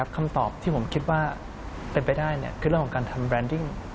คำตอบที่ผมคิดว่าเป็นไปได้คือเรื่องของการทำแรนดิ้ง